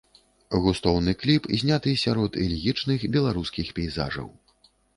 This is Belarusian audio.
Густоўны кліп зняты сярод элегічных беларускіх пейзажаў.